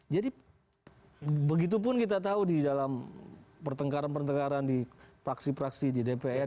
jadi begitu pun kita tahu di dalam pertengkaran pertengkaran di praksi praksi di dpr